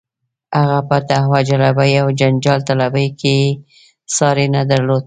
هغه په دعوه جلبۍ او جنجال طلبۍ کې یې ساری نه درلود.